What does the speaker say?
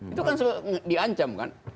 itu kan diancam kan